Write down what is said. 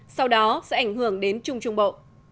sau đó sẽ ảnh hưởng đến trung trung bộ